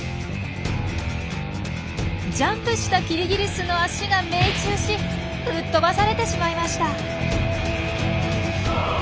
ジャンプしたキリギリスの足が命中し吹っ飛ばされてしまいました！